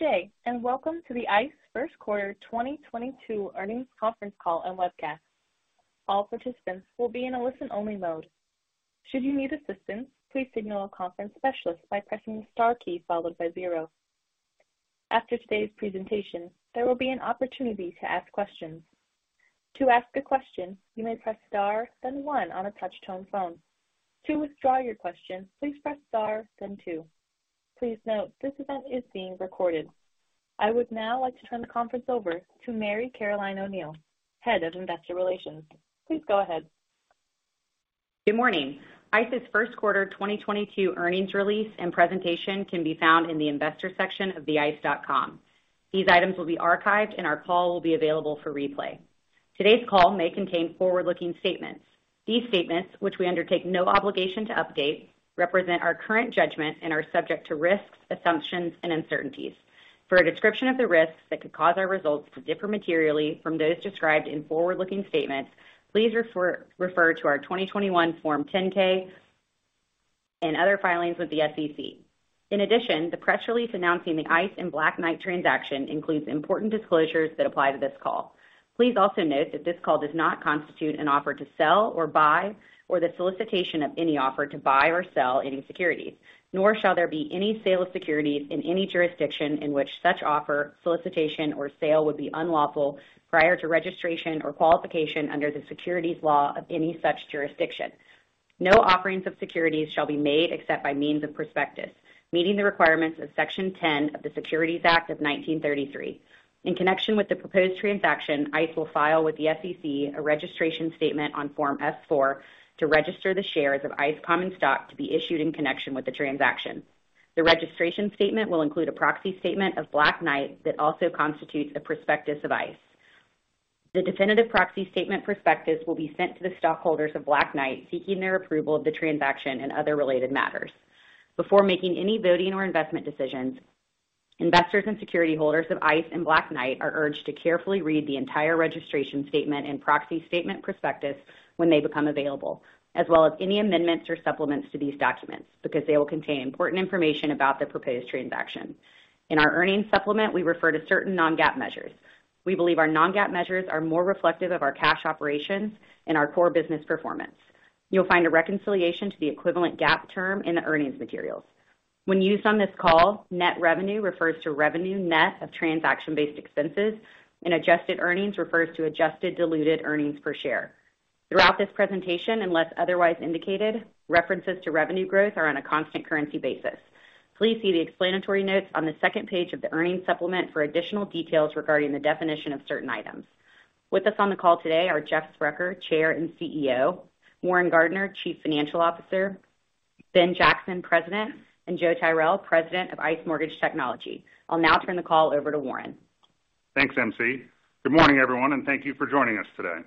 Good day, and welcome to the ICE first quarter 2022 earnings conference call and webcast. All participants will be in a listen-only mode. Should you need assistance, please signal a conference specialist by pressing the star key followed by zero. After today's presentation, there will be an opportunity to ask questions. To ask a question, you may press star then one on a touch-tone phone. To withdraw your question, please press star then two. Please note, this event is being recorded. I would now like to turn the conference over to Mary Caroline O'Neal, Head of Investor Relations. Please go ahead. Good morning. ICE's first quarter 2022 earnings release and presentation can be found in the investor section of the ice.com. These items will be archived and our call will be available for replay. Today's call may contain forward-looking statements. These statements, which we undertake no obligation to update, represent our current judgment and are subject to risks, assumptions, and uncertainties. For a description of the risks that could cause our results to differ materially from those described in forward-looking statements, please refer to our 2021 Form 10-K and other filings with the SEC. In addition, the press release announcing the ICE and Black Knight transaction includes important disclosures that apply to this call. Please also note that this call does not constitute an offer to sell or buy or the solicitation of any offer to buy or sell any securities, nor shall there be any sale of securities in any jurisdiction in which such offer, solicitation, or sale would be unlawful prior to registration or qualification under the securities law of any such jurisdiction. No offerings of securities shall be made except by means of prospectus, meeting the requirements of Section 10 of the Securities Act of 1933. In connection with the proposed transaction, ICE will file with the SEC a registration statement on Form S-4 to register the shares of ICE common stock to be issued in connection with the transaction. The registration statement will include a proxy statement of Black Knight that also constitutes a prospectus of ICE. The definitive proxy statement prospectus will be sent to the stockholders of Black Knight seeking their approval of the transaction and other related matters. Before making any voting or investment decisions, investors and security holders of ICE and Black Knight are urged to carefully read the entire registration statement and proxy statement prospectus when they become available, as well as any amendments or supplements to these documents, because they will contain important information about the proposed transaction. In our earnings supplement, we refer to certain non-GAAP measures. We believe our non-GAAP measures are more reflective of our cash operations and our core business performance. You'll find a reconciliation to the equivalent GAAP term in the earnings materials. When used on this call, net revenue refers to revenue net of transaction-based expenses, and adjusted earnings refers to adjusted diluted earnings per share. Throughout this presentation, unless otherwise indicated, references to revenue growth are on a constant currency basis. Please see the explanatory notes on the second page of the earnings supplement for additional details regarding the definition of certain items. With us on the call today are Jeff Sprecher, Chair and CEO, Warren Gardiner, Chief Financial Officer, Ben Jackson, President, and Joe Tyrrell, President of ICE Mortgage Technology. I'll now turn the call over to Warren. Thanks, MC. Good morning, everyone, and thank you for joining us today.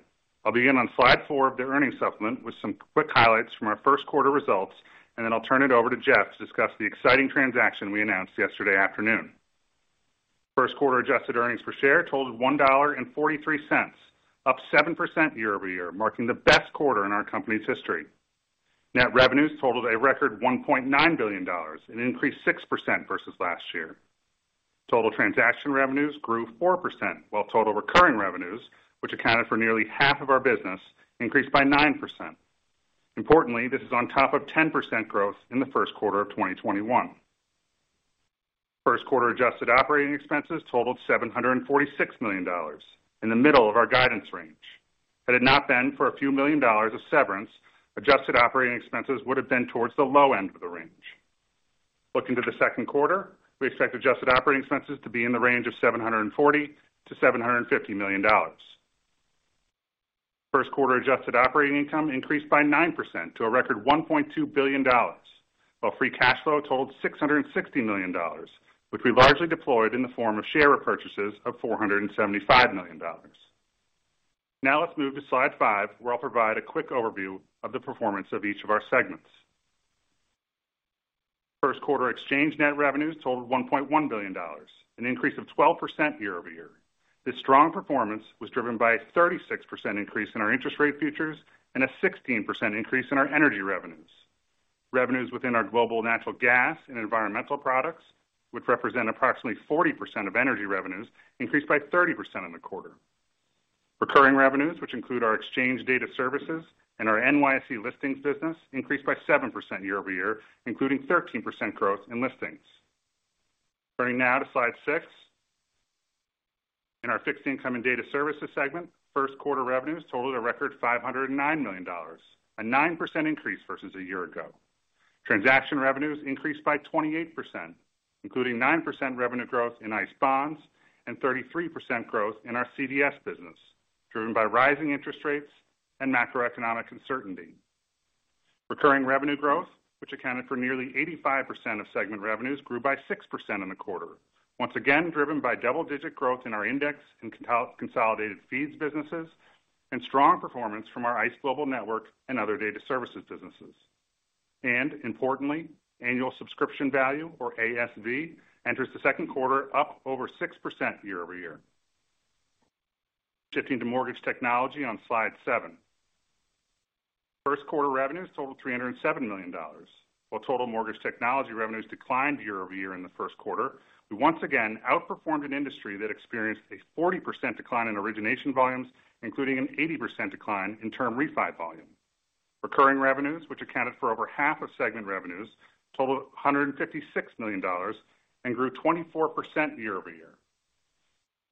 I'll begin on slide four of the earnings supplement with some quick highlights from our first quarter results, and then I'll turn it over to Jeff to discuss the exciting transaction we announced yesterday afternoon. First quarter adjusted earnings per share totaled $1.43, up 7% year-over-year, marking the best quarter in our company's history. Net revenues totaled a record $1.9 billion, an increase 6% versus last year. Total transaction revenues grew 4%, while total recurring revenues, which accounted for nearly half of our business, increased by 9%. Importantly, this is on top of 10% growth in the first quarter of 2021. First quarter adjusted operating expenses totaled $746 million in the middle of our guidance range. Had it not been for a few million of severance, adjusted operating expenses would have been towards the low end of the range. Looking to the second quarter, we expect adjusted operating expenses to be in the range of $740 million-$750 million. First quarter adjusted operating income increased by 9% to a record $1.2 billion, while free cash flow totaled $660 million, which we largely deployed in the form of share repurchases of $475 million. Now let's move to slide five, where I'll provide a quick overview of the performance of each of our segments. First quarter exchange net revenues totaled $1.1 billion, an increase of 12% year-over-year. This strong performance was driven by a 36% increase in our interest rate futures and a 16% increase in our energy revenues. Revenues within our global natural gas and environmental products, which represent approximately 40% of energy revenues, increased by 30% in the quarter. Recurring revenues, which include our exchange data services and our NYSE listings business, increased by 7% year-over-year, including 13% growth in listings. Turning now to slide six. In our Fixed Income & Data Services segment, first quarter revenues totaled a record $509 million, a 9% increase versus a year ago. Transaction revenues increased by 28%, including 9% revenue growth in ICE bonds and 33% growth in our CDS business, driven by rising interest rates and macroeconomic uncertainty. Recurring revenue growth, which accounted for nearly 85% of segment revenues, grew by 6% in the quarter. Once again driven by double-digit growth in our index and consolidated feeds businesses and strong performance from our ICE Global Network and other data services businesses. Importantly, annual subscription value, or ASV, enters the second quarter up over 6% year-over-year. Shifting to Mortgage Technology on slide seven. First quarter revenues totaled $307 million. While total Mortgage Technology revenues declined year-over-year in the first quarter, we once again outperformed an industry that experienced a 40% decline in origination volumes, including an 80% decline in term refi volume. Recurring revenues, which accounted for over half of segment revenues, totaled $156 million and grew 24% year-over-year.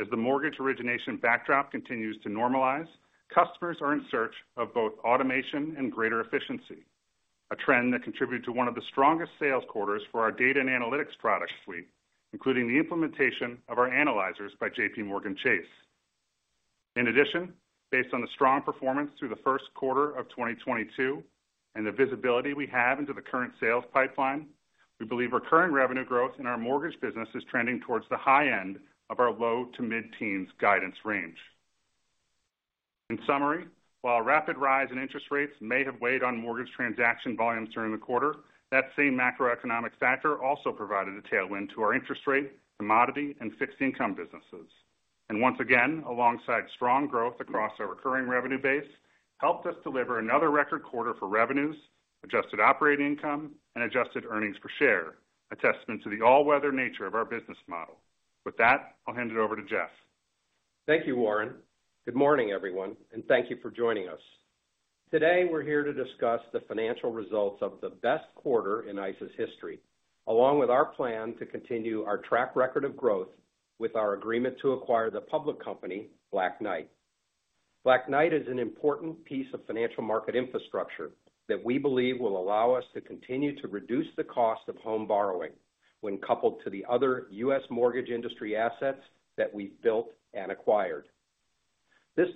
As the mortgage origination backdrop continues to normalize, customers are in search of both automation and greater efficiency, a trend that contributed to one of the strongest sales quarters for our data and analytics product suite, including the implementation of our analyzers by JPMorgan Chase. In addition, based on the strong performance through the first quarter of 2022 and the visibility we have into the current sales pipeline, we believe recurring revenue growth in our mortgage business is trending towards the high end of our low-to-mid-teens guidance range. In summary, while rapid rise in interest rates may have weighed on mortgage transaction volumes during the quarter, that same macroeconomic factor also provided a tailwind to our interest rate, commodity, and fixed income businesses. Once again, alongside strong growth across our recurring revenue base helped us deliver another record quarter for revenues, adjusted operating income, and adjusted earnings per share, a testament to the all-weather nature of our business model. With that, I'll hand it over to Jeff. Thank you, Warren. Good morning, everyone, and thank you for joining us. Today, we're here to discuss the financial results of the best quarter in ICE's history, along with our plan to continue our track record of growth with our agreement to acquire the public company, Black Knight. Black Knight is an important piece of financial market infrastructure that we believe will allow us to continue to reduce the cost of home borrowing when coupled to the other U.S. mortgage industry assets that we've built and acquired. This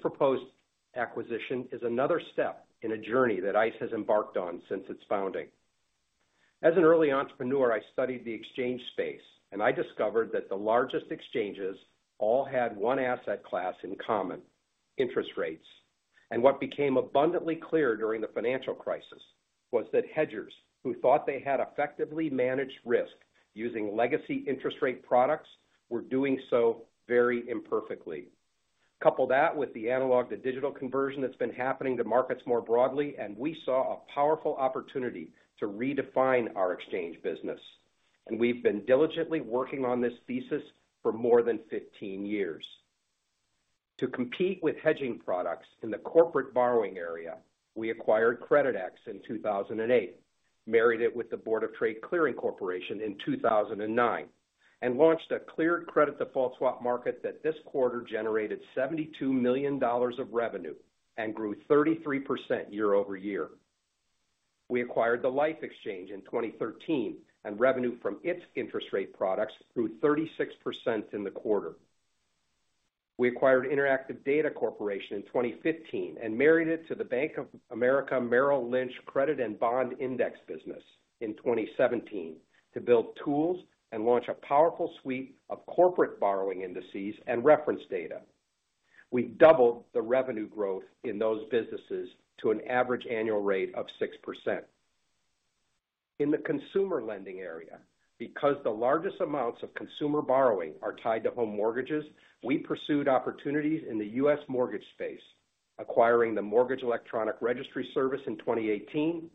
proposed acquisition is another step in a journey that ICE has embarked on since its founding. As an early entrepreneur, I studied the exchange space, and I discovered that the largest exchanges all had one asset class in common: interest rates. What became abundantly clear during the financial crisis was that hedgers who thought they had effectively managed risk using legacy interest rate products were doing so very imperfectly. Couple that with the analog-to-digital conversion that's been happening to markets more broadly, and we saw a powerful opportunity to redefine our exchange business, and we've been diligently working on this thesis for more than 15 years. To compete with hedging products in the corporate borrowing area, we acquired Creditex in 2008, married it with the Board of Trade Clearing Corporation in 2009, and launched a cleared credit default swap market that this quarter generated $72 million of revenue and grew 33% year-over-year. We acquired the LIFFE exchange in 2013, and revenue from its interest rate products grew 36% in the quarter. We acquired Interactive Data Corporation in 2015 and married it to the Bank of America Merrill Lynch credit and bond index business in 2017 to build tools and launch a powerful suite of corporate borrowing indices and reference data. We doubled the revenue growth in those businesses to an average annual rate of 6%. In the consumer lending area, because the largest amounts of consumer borrowing are tied to home mortgages, we pursued opportunities in the U.S. mortgage space, acquiring the Mortgage Electronic Registration Systems in 2018,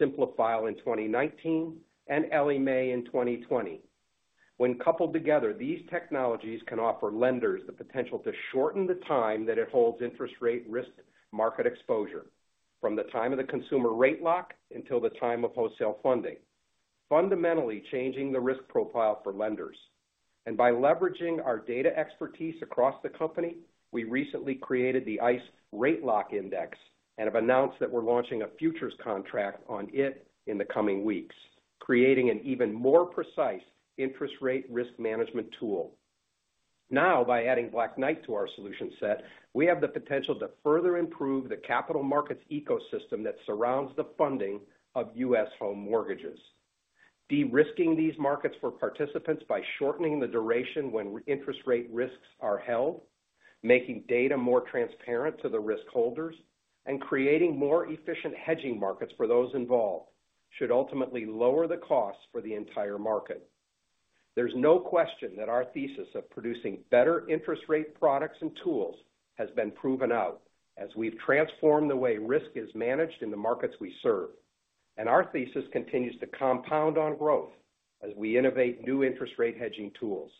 Simplifile in 2019, and Ellie Mae in 2020. When coupled together, these technologies can offer lenders the potential to shorten the time that it holds interest rate risk market exposure from the time of the consumer rate lock until the time of wholesale funding, fundamentally changing the risk profile for lenders. By leveraging our data expertise across the company, we recently created the ICE Rate Lock Index and have announced that we're launching a futures contract on it in the coming weeks, creating an even more precise interest rate risk management tool. Now, by adding Black Knight to our solution set, we have the potential to further improve the capital markets ecosystem that surrounds the funding of U.S. home mortgages. De-risking these markets for participants by shortening the duration when interest rate risks are held, making data more transparent to the risk holders, and creating more efficient hedging markets for those involved should ultimately lower the cost for the entire market. There's no question that our thesis of producing better interest rate products and tools has been proven out as we've transformed the way risk is managed in the markets we serve. Our thesis continues to compound on growth as we innovate new interest rate hedging tools.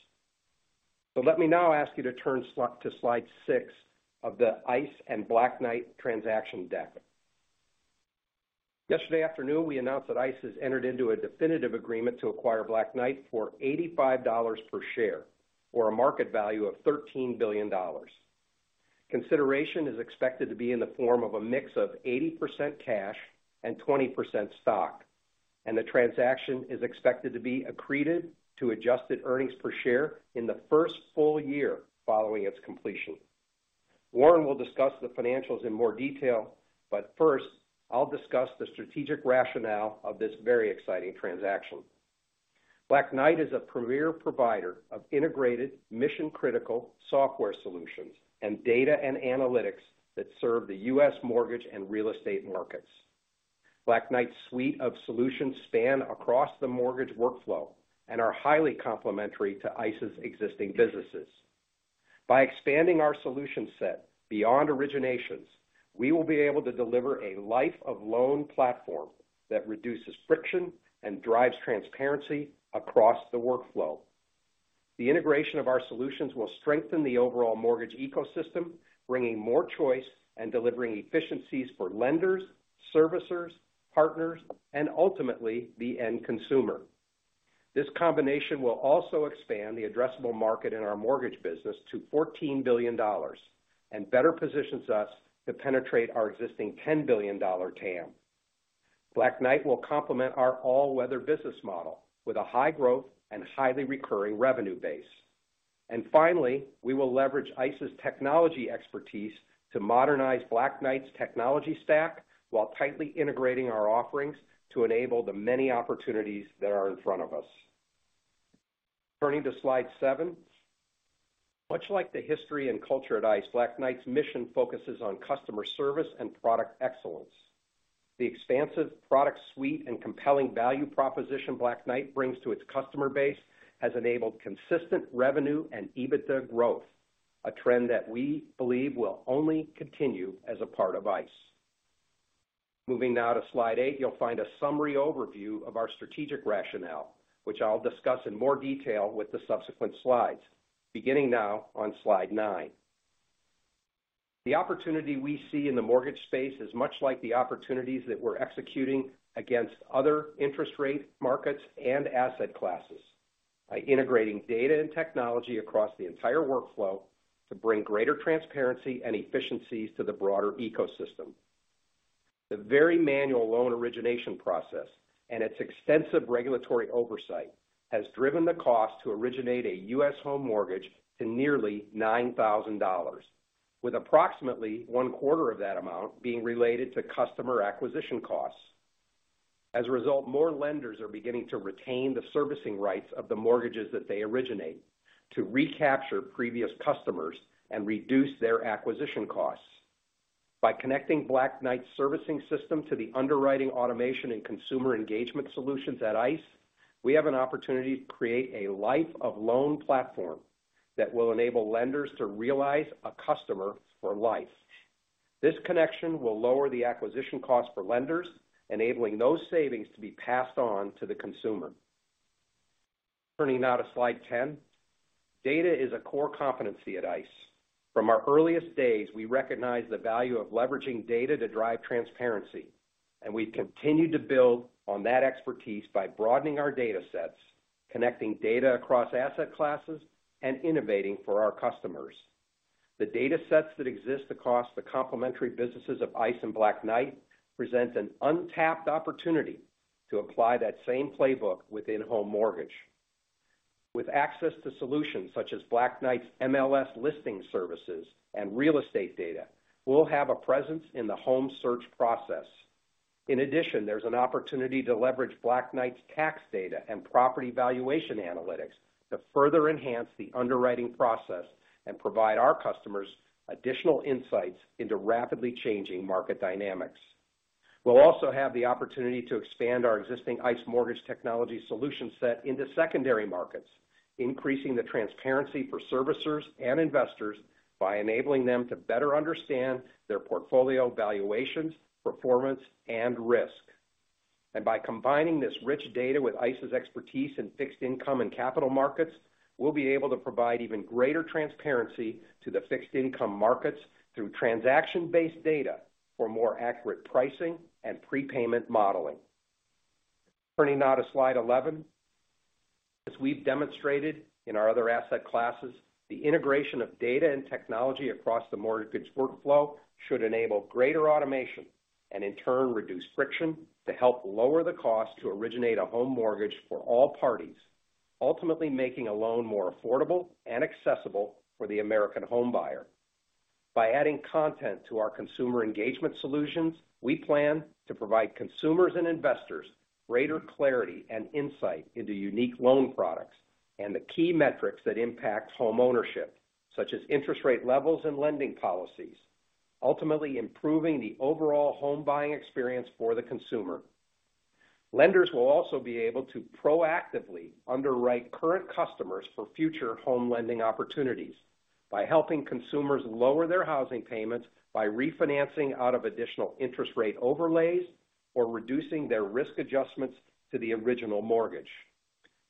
Let me now ask you to turn to slide six of the ICE and Black Knight transaction deck. Yesterday afternoon, we announced that ICE has entered into a definitive agreement to acquire Black Knight for $85 per share or a market value of $13 billion. Consideration is expected to be in the form of a mix of 80% cash and 20% stock, and the transaction is expected to be accreted to adjusted earnings per share in the first full year following its completion. Warren will discuss the financials in more detail, but first, I'll discuss the strategic rationale of this very exciting transaction. Black Knight is a premier provider of integrated mission-critical software solutions and data and analytics that serve the U.S. mortgage and real estate markets. Black Knight's suite of solutions span across the mortgage workflow and are highly complementary to ICE's existing businesses. By expanding our solution set beyond originations, we will be able to deliver a life of loan platform that reduces friction and drives transparency across the workflow. The integration of our solutions will strengthen the overall mortgage ecosystem, bringing more choice and delivering efficiencies for lenders, servicers, partners, and ultimately, the end consumer. This combination will also expand the addressable market in our mortgage business to $14 billion and better positions us to penetrate our existing $10 billion TAM. Black Knight will complement our all-weather business model with a high growth and highly recurring revenue base. Finally, we will leverage ICE's technology expertise to modernize Black Knight's technology stack while tightly integrating our offerings to enable the many opportunities that are in front of us. Turning to slide seven. Much like the history and culture at ICE, Black Knight's mission focuses on customer service and product excellence. The expansive product suite and compelling value proposition Black Knight brings to its customer base has enabled consistent revenue and EBITDA growth, a trend that we believe will only continue as a part of ICE. Moving now to slide eight, you'll find a summary overview of our strategic rationale, which I'll discuss in more detail with the subsequent slides, beginning now on slide nine. The opportunity we see in the mortgage space is much like the opportunities that we're executing against other interest rate markets and asset classes by integrating data and technology across the entire workflow to bring greater transparency and efficiencies to the broader ecosystem. The very manual loan origination process and its extensive regulatory oversight has driven the cost to originate a U.S. home mortgage to nearly $9,000, with approximately 1/4 of that amount being related to customer acquisition costs. As a result, more lenders are beginning to retain the servicing rights of the mortgages that they originate to recapture previous customers and reduce their acquisition costs. By connecting Black Knight's servicing system to the underwriting automation and consumer engagement solutions at ICE, we have an opportunity to create a life of loan platform that will enable lenders to realize a customer for life. This connection will lower the acquisition costs for lenders, enabling those savings to be passed on to the consumer. Turning now to slide 10. Data is a core competency at ICE. From our earliest days, we recognized the value of leveraging data to drive transparency, and we've continued to build on that expertise by broadening our datasets, connecting data across asset classes, and innovating for our customers. The datasets that exist across the complementary businesses of ICE and Black Knight present an untapped opportunity to apply that same playbook within home mortgage. With access to solutions such as Black Knight's MLS listing services and real estate data, we'll have a presence in the home search process. In addition, there's an opportunity to leverage Black Knight's tax data and property valuation analytics to further enhance the underwriting process and provide our customers additional insights into rapidly changing market dynamics. We'll also have the opportunity to expand our existing ICE Mortgage Technology solution set into secondary markets, increasing the transparency for servicers and investors by enabling them to better understand their portfolio valuations, performance, and risk. By combining this rich data with ICE's expertise in fixed income and capital markets, we'll be able to provide even greater transparency to the fixed income markets through transaction-based data for more accurate pricing and prepayment modeling. Turning now to slide 11. As we've demonstrated in our other asset classes, the integration of data and technology across the mortgage workflow should enable greater automation and in turn, reduce friction to help lower the cost to originate a home mortgage for all parties, ultimately making a loan more affordable and accessible for the American homebuyer. By adding content to our consumer engagement solutions, we plan to provide consumers and investors greater clarity and insight into unique loan products and the key metrics that impact homeownership, such as interest rate levels and lending policies, ultimately improving the overall home buying experience for the consumer. Lenders will also be able to proactively underwrite current customers for future home lending opportunities by helping consumers lower their housing payments by refinancing out of additional interest rate overlays or reducing their risk adjustments to the original mortgage.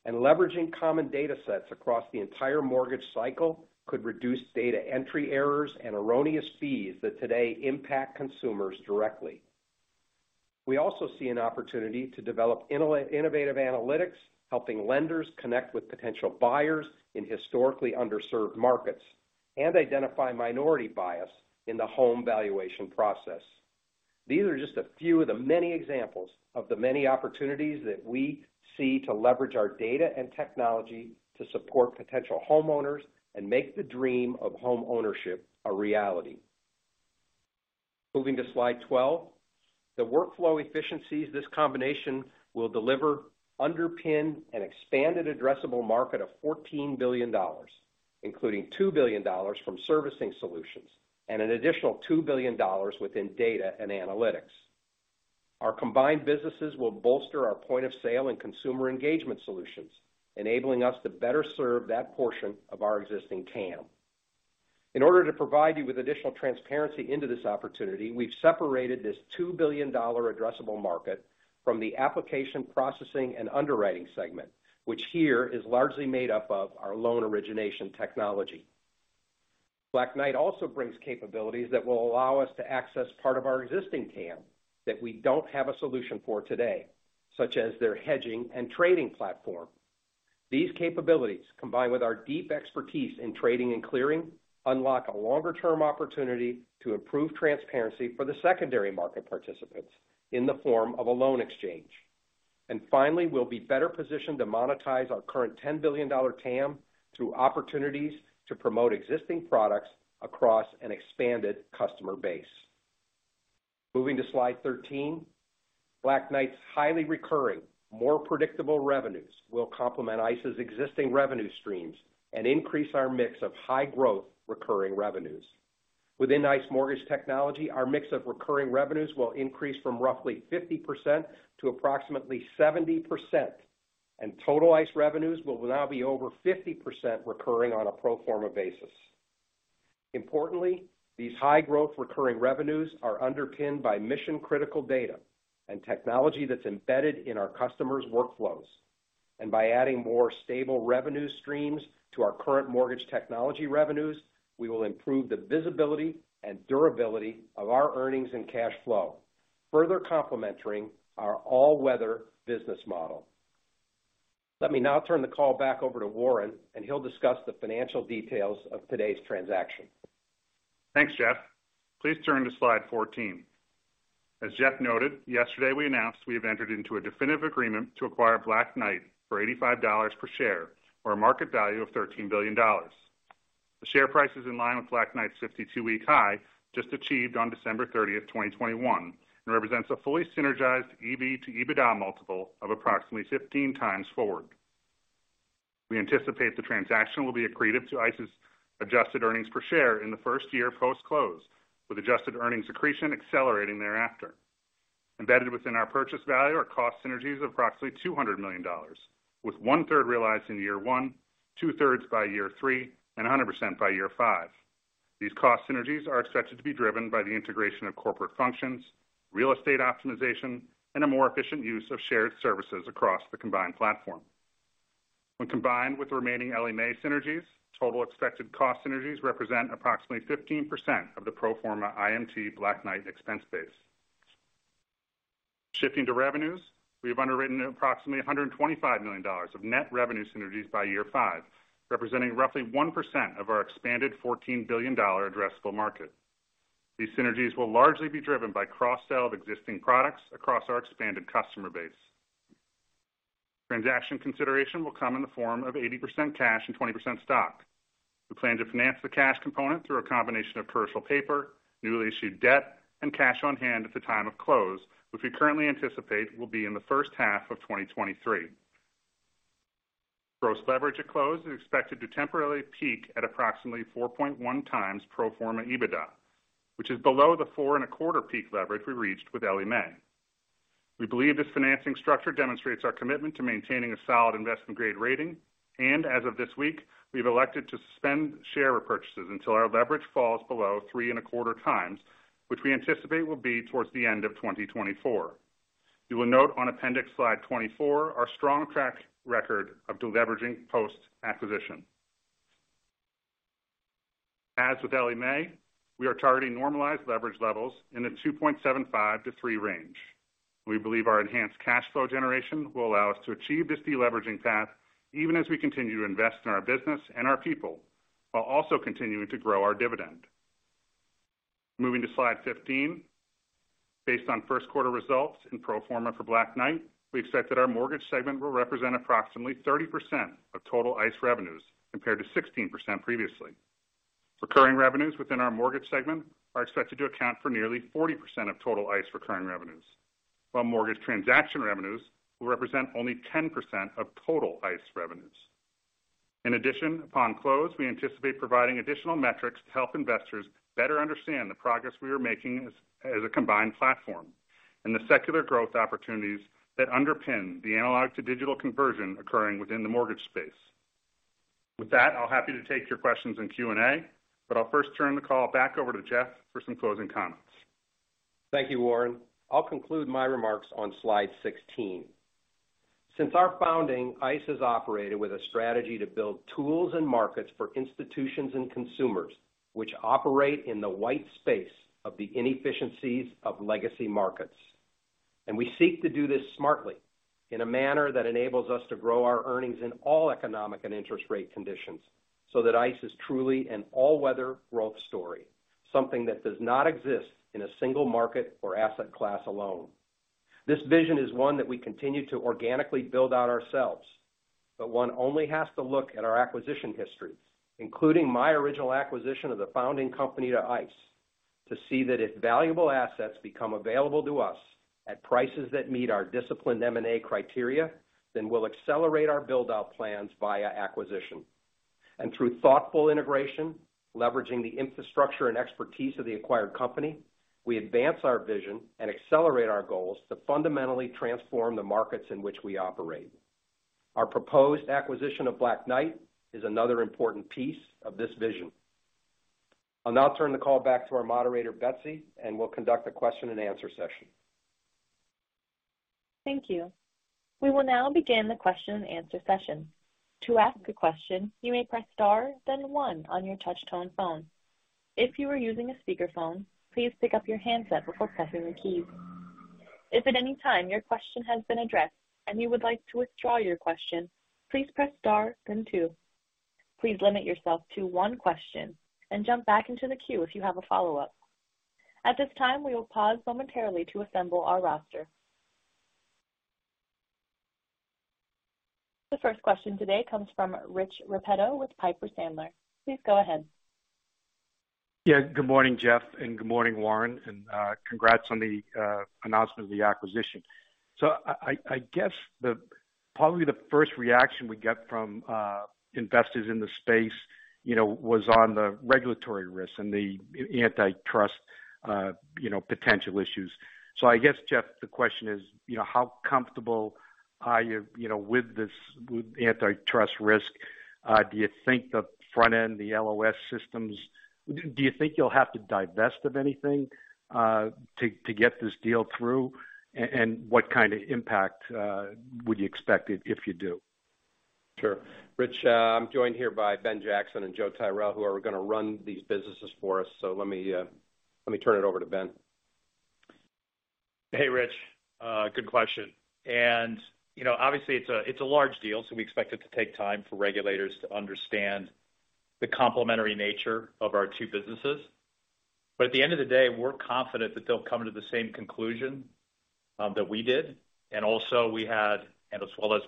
Leveraging common datasets across the entire mortgage cycle could reduce data entry errors and erroneous fees that today impact consumers directly. We also see an opportunity to develop innovative analytics, helping lenders connect with potential buyers in historically underserved markets and identify minority bias in the home valuation process. These are just a few of the many examples of the many opportunities that we see to leverage our data and technology to support potential homeowners and make the dream of homeownership a reality. Moving to slide 12. The workflow efficiencies this combination will deliver underpin an expanded addressable market of $14 billion. Including $2 billion from servicing solutions and an additional $2 billion within data and analytics. Our combined businesses will bolster our point of sale and consumer engagement solutions, enabling us to better serve that portion of our existing TAM. In order to provide you with additional transparency into this opportunity, we've separated this $2 billion addressable market from the application, processing, and underwriting segment, which here is largely made up of our loan origination technology. Black Knight also brings capabilities that will allow us to access part of our existing TAM that we don't have a solution for today, such as their hedging and trading platform. These capabilities, combined with our deep expertise in trading and clearing, unlock a longer-term opportunity to improve transparency for the secondary market participants in the form of a loan exchange. Finally, we'll be better positioned to monetize our current $10 billion TAM through opportunities to promote existing products across an expanded customer base. Moving to slide 13, Black Knight's highly recurring, more predictable revenues will complement ICE's existing revenue streams and increase our mix of high growth recurring revenues. Within ICE Mortgage Technology, our mix of recurring revenues will increase from roughly 50% to approximately 70%, and total ICE revenues will now be over 50% recurring on a pro forma basis. Importantly, these high growth recurring revenues are underpinned by mission-critical data and technology that's embedded in our customers' workflows. By adding more stable revenue streams to our current mortgage technology revenues, we will improve the visibility and durability of our earnings and cash flow, further complementing our all-weather business model. Let me now turn the call back over to Warren, and he'll discuss the financial details of today's transaction. Thanks, Jeff. Please turn to slide 14. As Jeff noted, yesterday, we announced we have entered into a definitive agreement to acquire Black Knight for $85 per share or a market value of $13 billion. The share price is in line with Black Knight's 52-week high, just achieved on December 30th, 2021, and represents a fully synergized EV to EBITDA multiple of approximately 15x forward. We anticipate the transaction will be accretive to ICE's adjusted earnings per share in the first year post-close, with adjusted earnings accretion accelerating thereafter. Embedded within our purchase value are cost synergies of approximately $200 million, with 1/3 realized in year one, 2/3 by year three, and 100% by year five. These cost synergies are expected to be driven by the integration of corporate functions, real estate optimization, and a more efficient use of shared services across the combined platform. When combined with the remaining Ellie Mae synergies, total expected cost synergies represent approximately 15% of the pro forma IMT Black Knight expense base. Shifting to revenues, we have underwritten approximately $125 million of net revenue synergies by year five, representing roughly 1% of our expanded $14 billion addressable market. These synergies will largely be driven by cross-sale of existing products across our expanded customer base. Transaction consideration will come in the form of 80% cash and 20% stock. We plan to finance the cash component through a combination of commercial paper, newly issued debt, and cash on-hand at the time of close, which we currently anticipate will be in the first half of 2023. Gross leverage at close is expected to temporarily peak at approximately 4.1x pro forma EBITDA, which is below the 4.25 peak leverage we reached with Ellie Mae. We believe this financing structure demonstrates our commitment to maintaining a solid investment-grade rating. As of this week, we've elected to suspend share repurchases until our leverage falls below 3.25x, which we anticipate will be towards the end of 2024. You will note on appendix slide 24, our strong track record of deleveraging post-acquisition. As with Ellie Mae, we are targeting normalized leverage levels in the 2.75x-3x range. We believe our enhanced cash flow generation will allow us to achieve this deleveraging path, even as we continue to invest in our business and our people, while also continuing to grow our dividend. Moving to slide 15. Based on first quarter results in pro forma for Black Knight, we expect that our mortgage segment will represent approximately 30% of total ICE revenues compared to 16% previously. Recurring revenues within our mortgage segment are expected to account for nearly 40% of total ICE recurring revenues, while mortgage transaction revenues will represent only 10% of total ICE revenues. In addition, upon close, we anticipate providing additional metrics to help investors better understand the progress we are making as a combined platform and the secular growth opportunities that underpin the analog-to-digital conversion occurring within the mortgage space. With that, I'll be happy to take your questions in Q&A, but I'll first turn the call back over to Jeff for some closing comments. Thank you, Warren. I'll conclude my remarks on slide 16. Since our founding, ICE has operated with a strategy to build tools and markets for institutions and consumers which operate in the white space of the inefficiencies of legacy markets. We seek to do this smartly in a manner that enables us to grow our earnings in all economic and interest rate conditions so that ICE is truly an all-weather growth story, something that does not exist in a single market or asset class alone. This vision is one that we continue to organically build out ourselves, but one only has to look at our acquisition history, including my original acquisition of the founding company to ICE to see that if valuable assets become available to us at prices that meet our disciplined M&A criteria, then we'll accelerate our build-out plans via acquisition. Through thoughtful integration, leveraging the infrastructure and expertise of the acquired company, we advance our vision and accelerate our goals to fundamentally transform the markets in which we operate. Our proposed acquisition of Black Knight is another important piece of this vision. I'll now turn the call back to our moderator, Betsy, and we'll conduct a question and answer session. Thank you. We will now begin the question and answer session. To ask a question, you may press star then one on your touch-tone phone. If you are using a speakerphone, please pick up your handset before pressing the keys. If at any time your question has been addressed and you would like to withdraw your question, please press star then two. Please limit yourself to one question and jump back into the queue if you have a follow-up. At this time, we will pause momentarily to assemble our roster. The first question today comes from Rich Repetto with Piper Sandler. Please go ahead. Yeah, good morning, Jeff, and good morning, Warren. Congrats on the announcement of the acquisition. I guess probably the first reaction we get from investors in the space, you know, was on the regulatory risk and the antitrust, you know, potential issues. I guess, Jeff, the question is, you know, how comfortable are you know, with this, with the antitrust risk. Do you think the front end, the LOS systems. Do you think you'll have to divest of anything to get this deal through. And what kind of impact would you expect if you do. Sure. Rich, I'm joined here by Ben Jackson and Joe Tyrrell, who are gonna run these businesses for us. Let me turn it over to Ben. Hey, Rich. Good question. You know, obviously, it's a large deal, so we expect it to take time for regulators to understand the complementary nature of our two businesses. At the end of the day, we're confident that they'll come to the same conclusion that we did. We and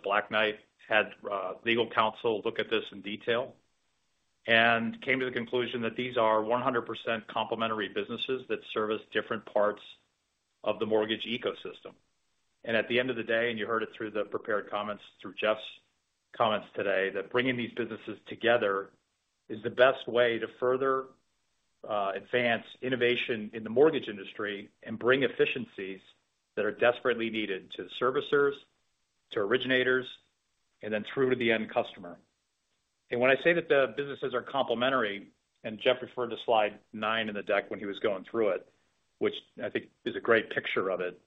Black Knight had legal counsel look at this in detail and came to the conclusion that these are 100% complementary businesses that service different parts of the mortgage ecosystem. At the end of the day, you heard it through the prepared comments, through Jeff's comments today, that bringing these businesses together is the best way to further advance innovation in the mortgage industry and bring efficiencies that are desperately needed to the servicers, to originators, and then through to the end customer. When I say that the businesses are complementary, and Jeff referred to slide nine in the deck when he was going through it, which I think is a great picture of it.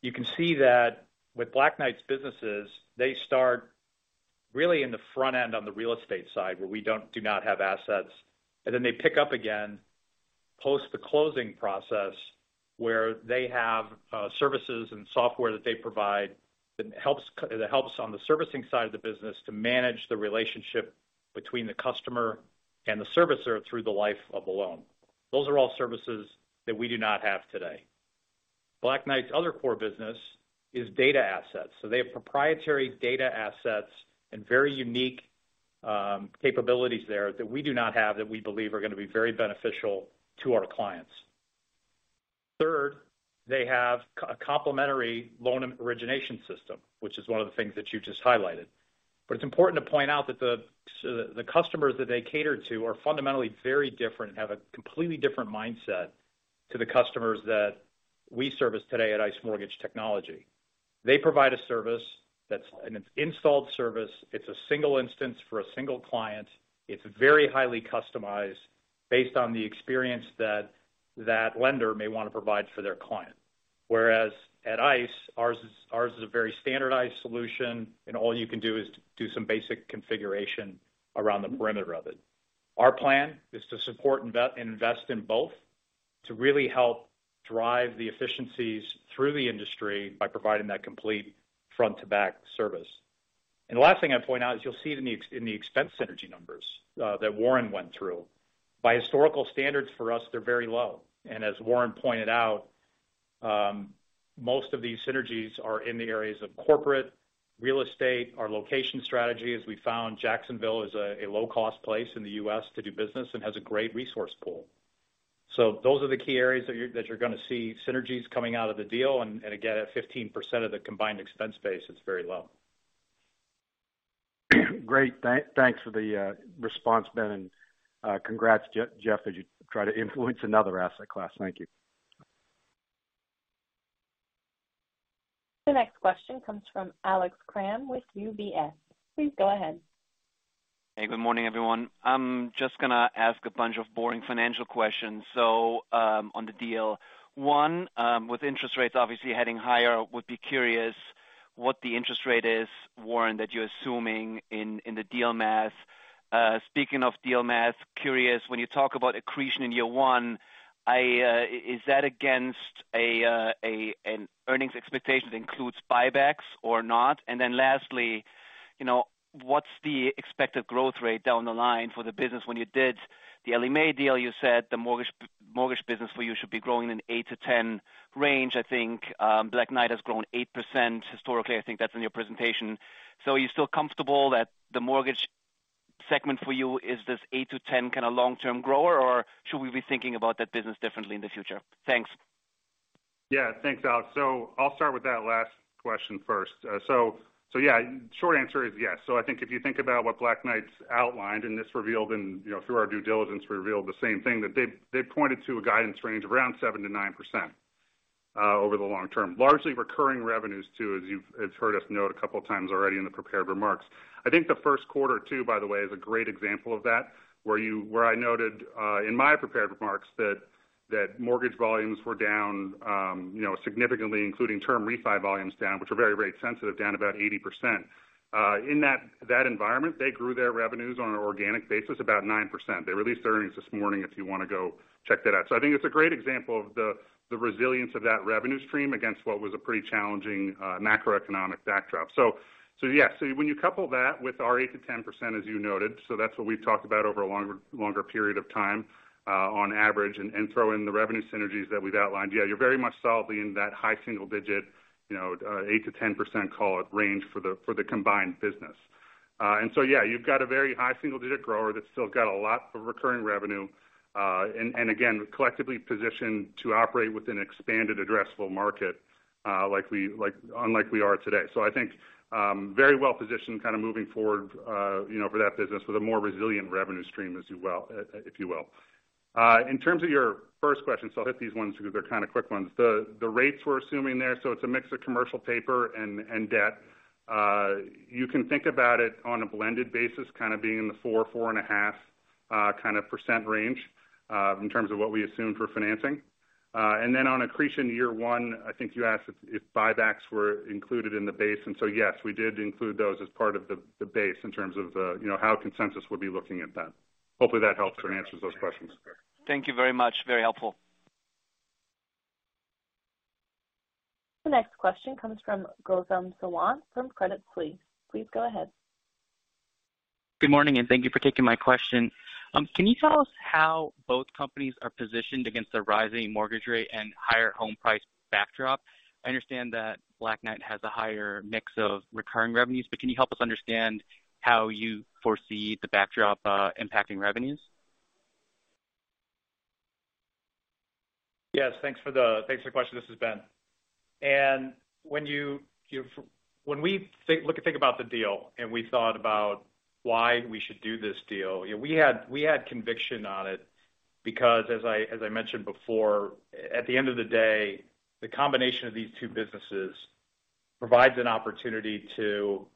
You can see that with Black Knight's businesses, they start really in the front end on the real estate side, where we do not have assets. Then they pick up again, post the closing process, where they have services and software that they provide that helps on the servicing side of the business to manage the relationship between the customer and the servicer through the life of a loan. Those are all services that we do not have today. Black Knight's other core business is data assets. They have proprietary data assets and very unique capabilities there that we do not have that we believe are going to be very beneficial to our clients. Third, they have a complementary loan origination system, which is one of the things that you just highlighted. But it's important to point out that the customers that they cater to are fundamentally very different, have a completely different mindset to the customers that we service today at ICE Mortgage Technology. They provide a service that's an installed service. It's a single instance for a single client. It's very highly customized based on the experience that that lender may want to provide for their client. Whereas at ICE, ours is a very standardized solution, and all you can do is to do some basic configuration around the perimeter of it. Our plan is to support and vet and invest in both to really help drive the efficiencies through the industry by providing that complete front-to-back service. The last thing I'd point out is you'll see it in the expense synergy numbers that Warren went through. By historical standards for us, they're very low. As Warren pointed out, most of these synergies are in the areas of corporate, real estate. Our location strategy, as we found, Jacksonville is a low-cost place in the U.S. to do business and has a great resource pool. Those are the key areas that you're going to see synergies coming out of the deal. Again, at 15% of the combined expense base, it's very low. Great. Thanks for the response, Ben. Congrats, Jeff, as you try to influence another asset class. Thank you. The next question comes from Alex Kramm with UBS. Please go ahead. Hey, good morning, everyone. I'm just gonna ask a bunch of boring financial questions. On the deal. One, with interest rates obviously heading higher, would be curious what the interest rate is, Warren, that you're assuming in the deal math. Speaking of deal math, curious, when you talk about accretion in year one, is that against an earnings expectation that includes buybacks or not? And then lastly, you know, what's the expected growth rate down the line for the business? When you did the Ellie Mae deal, you said the mortgage business for you should be growing in 8%-10% range, I think. Black Knight has grown 8% historically. I think that's in your presentation. Are you still comfortable that the mortgage segment for you is this 8%-10% kind of long-term grower, or should we be thinking about that business differently in the future? Thanks. Yeah. Thanks, Alex. I'll start with that last question first. Yeah, short answer is yes. I think if you think about what Black Knight's outlined, and this revealed in, you know, through our due diligence revealed the same thing that they've pointed to a guidance range around 7%-9%, over the long term. Largely recurring revenues too, as you have heard us note a couple of times already in the prepared remarks. I think the first quarter too, by the way, is a great example of that, where I noted in my prepared remarks that mortgage volumes were down, you know, significantly, including term refi volumes down, which are very rate sensitive, down about 80%. In that environment, they grew their revenues on an organic basis, about 9%. They released their earnings this morning, if you wanna go check that out. I think it's a great example of the resilience of that revenue stream against what was a pretty challenging macroeconomic backdrop. Yeah. When you couple that with our 8%-10%, as you noted, that's what we've talked about over a longer period of time on average, and throw in the revenue synergies that we've outlined. Yeah, you're very much solidly in that high-single-digit, you know, 8%-10% call it range for the combined business. Yeah, you've got a very high single digit grower that's still got a lot of recurring revenue, and again, collectively positioned to operate with an expanded addressable market, unlike we are today. I think very well positioned kind of moving forward, you know, for that business with a more resilient revenue stream, if you will. In terms of your first question, I'll hit these ones because they're kind of quick ones. The rates we're assuming there, it's a mix of commercial paper and debt. You can think about it on a blended basis, kind of being in the 4%-4.5% range in terms of what we assume for financing. Then on accretion year one, I think you asked if buybacks were included in the base. Yes, we did include those as part of the base in terms of, you know, how consensus would be looking at that. Hopefully that helps or answers those questions. Thank you very much. Very helpful. The next question comes from Gautam Sawant from Credit Suisse. Please go ahead. Good morning, and thank you for taking my question. Can you tell us how both companies are positioned against the rising mortgage rate and higher home price backdrop? I understand that Black Knight has a higher mix of recurring revenues, but can you help us understand how you foresee the backdrop impacting revenues? Yes. Thanks for the question. This is Ben. When we look and think about the deal, and we thought about why we should do this deal, you know, we had conviction on it because as I mentioned before, at the end of the day, the combination of these two businesses provides an opportunity to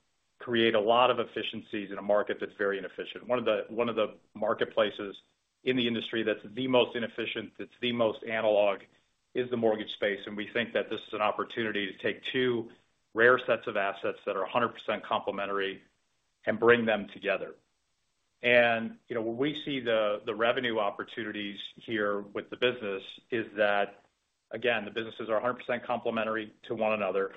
create a lot of efficiencies in a market that's very inefficient. One of the marketplaces in the industry that's the most inefficient, that's the most analog, is the mortgage space, and we think that this is an opportunity to take two rare sets of assets that are 100% complementary and bring them together. You know, where we see the revenue opportunities here with the business is that, again, the businesses are 100% complementary to one another,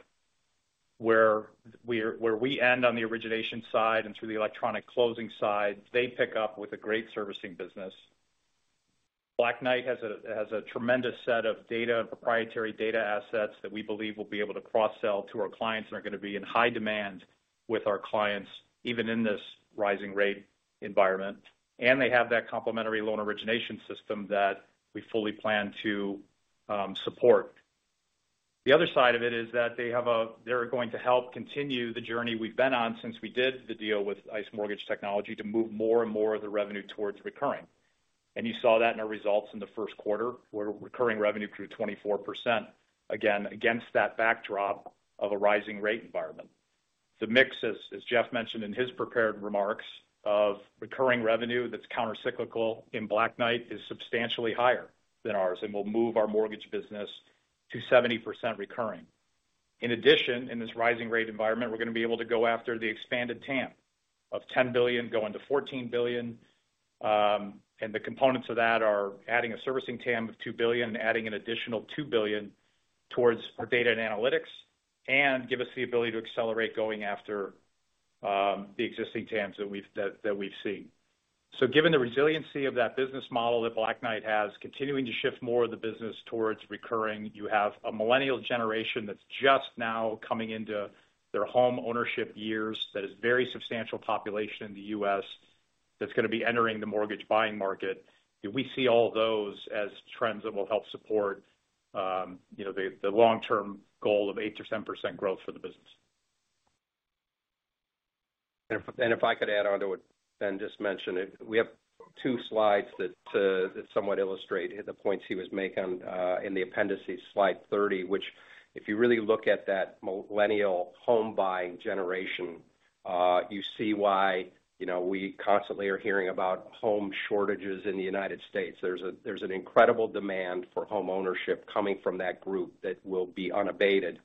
where we end on the origination side and through the electronic closing side, they pick up with a great servicing business. Black Knight has a tremendous set of data, proprietary data assets that we believe will be able to cross-sell to our clients and are gonna be in high demand with our clients, even in this rising rate environment. They have that complementary loan origination system that we fully plan to support. The other side of it is that they're going to help continue the journey we've been on since we did the deal with ICE Mortgage Technology to move more and more of the revenue towards recurring. You saw that in our results in the first quarter, where recurring revenue grew 24%, again, against that backdrop of a rising rate environment. The mix, as Jeff mentioned in his prepared remarks, of recurring revenue that's countercyclical in Black Knight is substantially higher than ours, and we'll move our mortgage business to 70% recurring. In addition, in this rising rate environment, we're gonna be able to go after the expanded TAM of $10 billion-$14 billion, and the components of that are adding a servicing TAM of $2 billion, adding an additional $2 billion towards our data and analytics, and give us the ability to accelerate going after the existing TAMs that we've seen. Given the resiliency of that business model that Black Knight has, continuing to shift more of the business towards recurring, you have a millennial generation that's just now coming into their homeownership years that is a very substantial population in the U.S. that's gonna be entering the mortgage buying market. We see all those as trends that will help support the long-term goal of 8%-10% growth for the business. If I could add on to what Ben just mentioned, we have two slides that somewhat illustrate the points he was making in the appendices, slide 30, which if you really look at that millennial home-buying generation, you see why, you know, we constantly are hearing about home shortages in the United States. There's an incredible demand for homeownership coming from that group that will be unabated.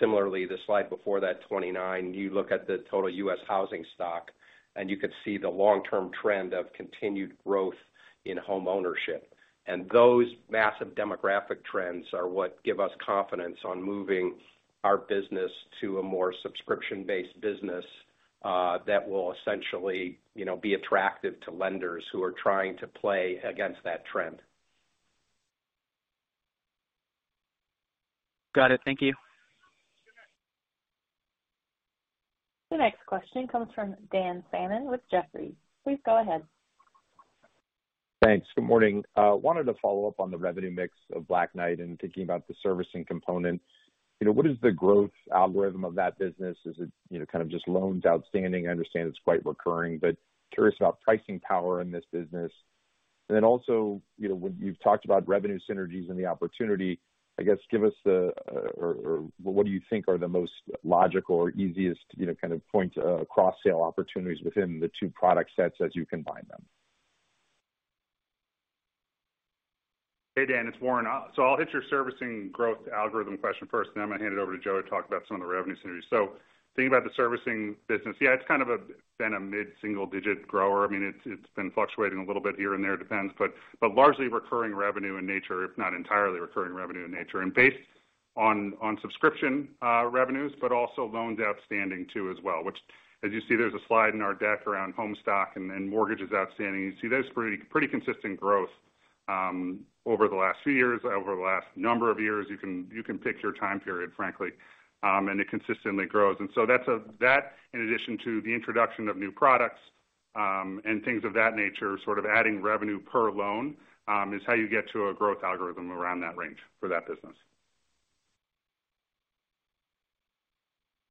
Similarly, the slide before that, 29, you look at the total U.S. housing stock, and you could see the long-term trend of continued growth in homeownership. Those massive demographic trends are what give us confidence on moving our business to a more subscription-based business that will essentially, you know, be attractive to lenders who are trying to play against that trend. Got it. Thank you. The next question comes from Dan Fannon with Jefferies. Please go ahead. Thanks. Good morning. I wanted to follow up on the revenue mix of Black Knight and thinking about the servicing components. You know, what is the growth algorithm of that business? Is it, you know, kind of just loans outstanding? I understand it's quite recurring, but curious about pricing power in this business. Also, you know, when you've talked about revenue synergies and the opportunity, I guess give us the, or what do you think are the most logical or easiest, you know, kind of point cross-sale opportunities within the two product sets as you combine them? Hey, Dan, it's Warren. I'll hit your servicing growth algorithm question first, then I'm gonna hand it over to Joe to talk about some of the revenue synergies. Thinking about the servicing business. Yeah, it's kind of been a mid-single-digit grower. I mean, it's been fluctuating a little bit here and there. It depends, but largely recurring revenue in nature, if not entirely recurring revenue in nature. Based on subscription revenues, but also loans outstanding too, as well, which as you see, there's a slide in our deck around housing stock and mortgages outstanding. You see there's pretty consistent growth over the last few years, over the last number of years. You can pick your time period, frankly, and it consistently grows. That in addition to the introduction of new products and things of that nature, sort of adding revenue per loan, is how you get to a growth algorithm around that range for that business.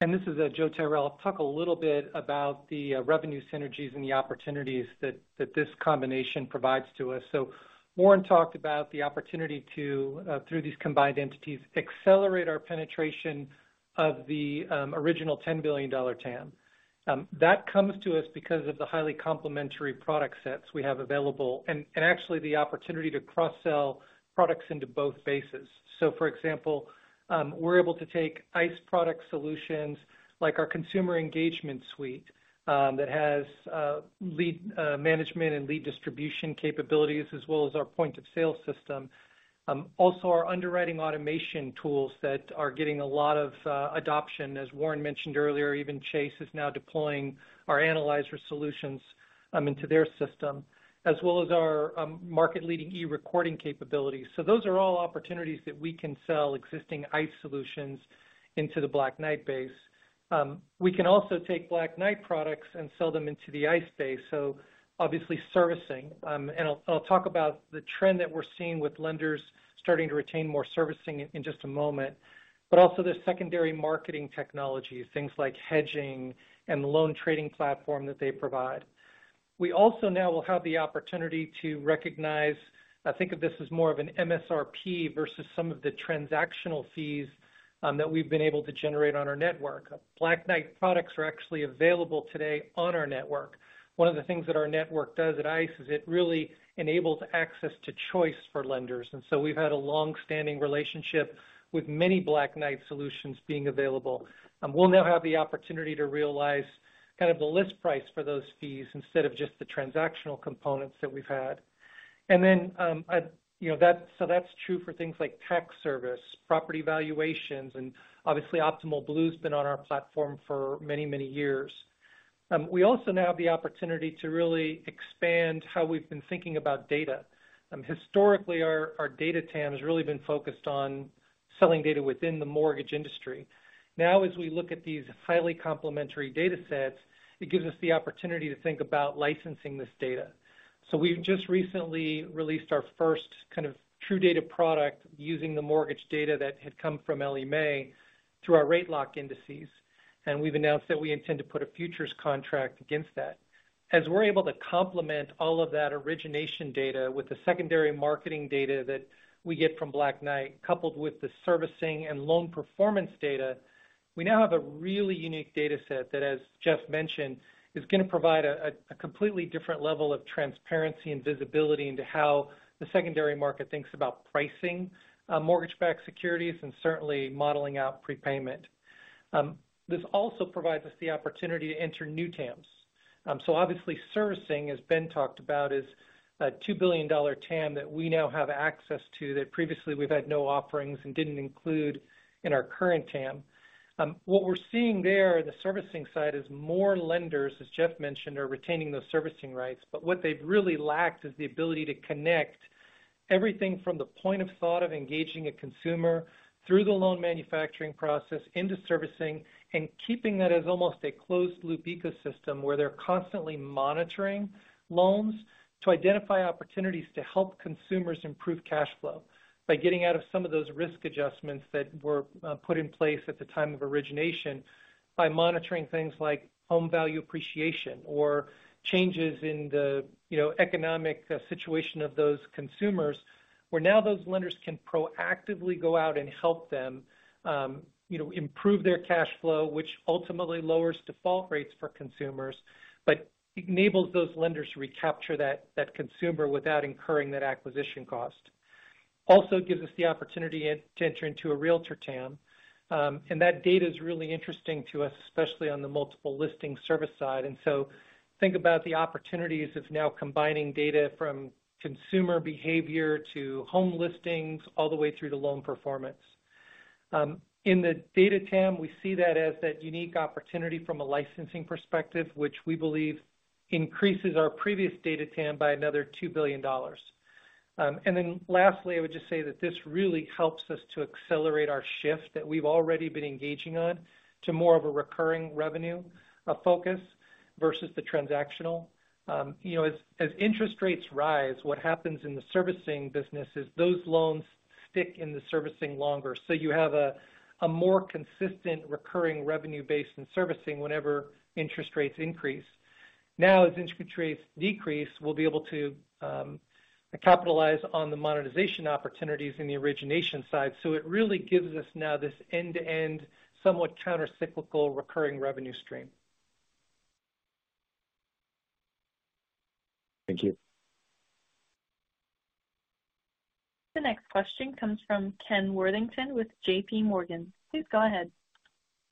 This is Joe Tyrrell. I'll talk a little bit about the revenue synergies and the opportunities that that this combination provides to us. Warren talked about the opportunity to through these combined entities, accelerate our penetration of the original $10 billion TAM. That comes to us because of the highly complementary product sets we have available and actually the opportunity to cross-sell products into both bases. For example, we're able to take ICE product solutions like our consumer engagement suite that has lead management and lead distribution capabilities, as well as our point-of-sale system. Also our underwriting automation tools that are getting a lot of adoption. As Warren mentioned earlier, even Chase is now deploying our analyzer solutions into their system as well as our market-leading eRecording capabilities. Those are all opportunities that we can sell existing ICE solutions into the Black Knight base. We can also take Black Knight products and sell them into the ICE base. Obviously servicing. I'll talk about the trend that we're seeing with lenders starting to retain more servicing in just a moment. Also the secondary marketing technology, things like hedging and the loan trading platform that they provide. We also now will have the opportunity to recognize, I think of this as more of an MSRP versus some of the transactional fees that we've been able to generate on our network. Black Knight products are actually available today on our network. One of the things that our network does at ICE is it really enables access to choice for lenders. We've had a long-standing relationship with many Black Knight solutions being available. We'll now have the opportunity to realize kind of the list price for those fees instead of just the transactional components that we've had. You know, that's true for things like tax service, property valuations, and obviously Optimal Blue's been on our platform for many, many years. We also now have the opportunity to really expand how we've been thinking about data. Historically, our data TAM has really been focused on selling data within the mortgage industry. Now, as we look at these highly complementary data sets, it gives us the opportunity to think about licensing this data. We've just recently released our first kind of true data product using the mortgage data that had come from Ellie Mae through our rate lock indices. We've announced that we intend to put a futures contract against that. As we're able to complement all of that origination data with the secondary market data that we get from Black Knight, coupled with the servicing and loan performance data, we now have a really unique data set that, as Jeff mentioned, is gonna provide a completely different level of transparency and visibility into how the secondary market thinks about pricing mortgage-backed securities and certainly modeling out prepayment. This also provides us the opportunity to enter new TAMs. Obviously servicing, as Ben talked about, is a $2 billion TAM that we now have access to that previously we've had no offerings and didn't include in our current TAM. What we're seeing there on the servicing side is more lenders, as Jeff mentioned, are retaining those servicing rights. What they've really lacked is the ability to connect everything from the point of thought of engaging a consumer through the loan manufacturing process into servicing and keeping that as almost a closed loop ecosystem where they're constantly monitoring loans to identify opportunities to help consumers improve cash flow by getting out of some of those risk adjustments that were put in place at the time of origination, by monitoring things like home value appreciation or changes in the, you know, economic situation of those consumers. Where now those lenders can proactively go out and help them, you know, improve their cash flow, which ultimately lowers default rates for consumers, but enables those lenders to recapture that consumer without incurring that acquisition cost. Also gives us the opportunity to enter into a realtor TAM. That data is really interesting to us, especially on the multiple listing service side. Think about the opportunities of now combining data from consumer behavior to home listings all the way through to loan performance. In the data TAM, we see that as that unique opportunity from a licensing perspective, which we believe Increases our previous data TAM by another $2 billion. Lastly, I would just say that this really helps us to accelerate our shift that we've already been engaging on to more of a recurring revenue focus versus the transactional. You know, as interest rates rise, what happens in the servicing business is those loans stick in the servicing longer. You have a more consistent recurring revenue base in servicing whenever interest rates increase. Now, as interest rates decrease, we'll be able to capitalize on the monetization opportunities in the origination side. It really gives us now this end-to-end, somewhat counter-cyclical recurring revenue stream. Thank you. The next question comes from Ken Worthington with JPMorgan. Please go ahead.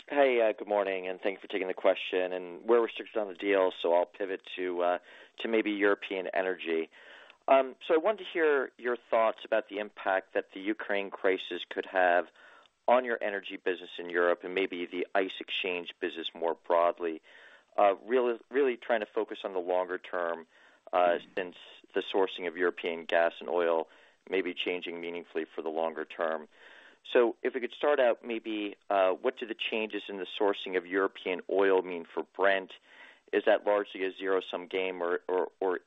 Hey, good morning, and thanks for taking the question. We're restricted on the deal, so I'll pivot to maybe European energy. I wanted to hear your thoughts about the impact that the Ukraine crisis could have on your energy business in Europe and maybe the ICE exchange business more broadly. Really trying to focus on the longer term, since the sourcing of European gas and oil may be changing meaningfully for the longer term. If we could start out maybe, what do the changes in the sourcing of European oil mean for Brent? Is that largely a zero-sum game or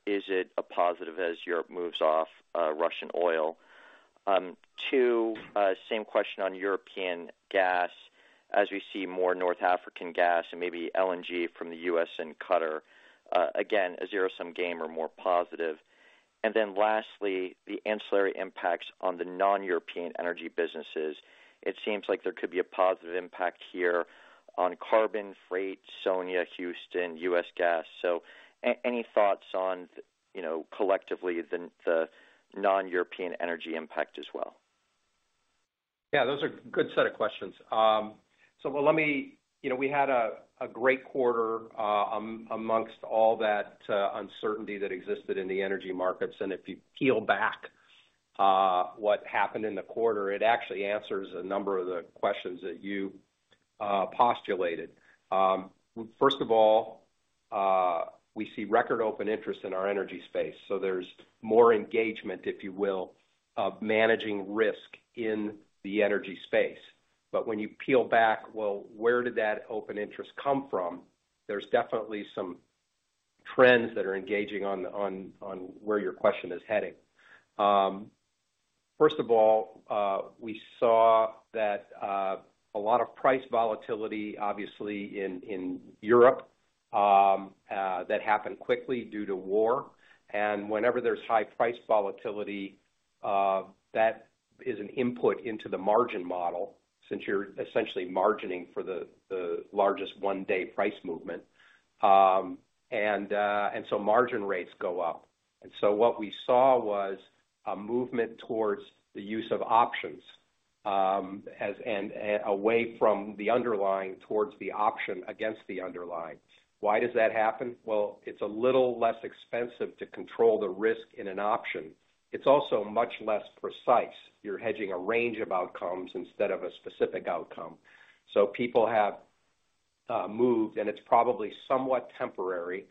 is it a positive as Europe moves off Russian oil? Too, same question on European gas. As we see more North African gas and maybe LNG from the U.S. and Qatar, again, a zero-sum game or more positive. Then lastly, the ancillary impacts on the non-European energy businesses. It seems like there could be a positive impact here on carbon, freight, SONIA, Houston, U.S. gas. Any thoughts on, you know, collectively the non-European energy impact as well? Yeah, those are good set of questions. You know, we had a great quarter amongst all that uncertainty that existed in the energy markets. If you peel back what happened in the quarter, it actually answers a number of the questions that you postulated. First of all, we see record open interest in our energy space, so there's more engagement, if you will, of managing risk in the energy space. When you peel back, where did that open interest come from? There's definitely some trends that are engaging on where your question is heading. First of all, we saw that a lot of price volatility, obviously in Europe, that happened quickly due to war. Whenever there's high price volatility, that is an input into the margin model, since you're essentially margining for the largest one-day price movement. Margin rates go up. What we saw was a movement towards the use of options, away from the underlying towards the option against the underlying. Why does that happen? Well, it's a little less expensive to control the risk in an option. It's also much less precise. You're hedging a range of outcomes instead of a specific outcome. People have moved, and it's probably somewhat temporary,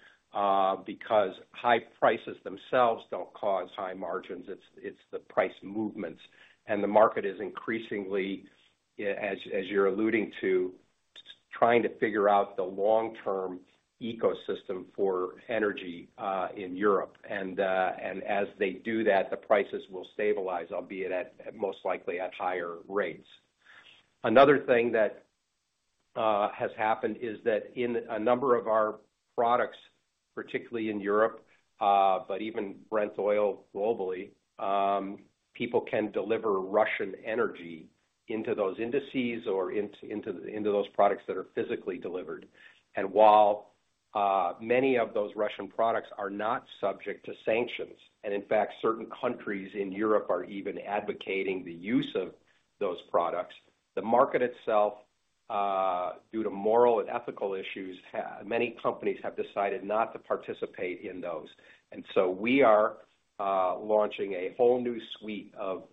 because high prices themselves don't cause high margins. It's the price movements. The market is increasingly, as you're alluding to, trying to figure out the long-term ecosystem for energy in Europe. As they do that, the prices will stabilize, albeit at most likely at higher rates. Another thing that has happened is that in a number of our products, particularly in Europe, but even Brent Oil globally, people can deliver Russian energy into those indices or into those products that are physically delivered. While many of those Russian products are not subject to sanctions, and in fact, certain countries in Europe are even advocating the use of those products, the market itself, due to moral and ethical issues, many companies have decided not to participate in those. We are launching a whole new suite of